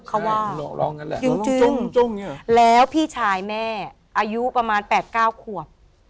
คือว่าจริงแล้วพี่ชายแม่อายุประมาณ๘๙ขวบ